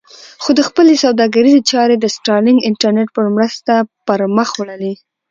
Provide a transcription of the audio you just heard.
خو ده خپلې سوداګریزې چارې د سټارلېنک انټرنېټ په مرسته پر مخ وړلې.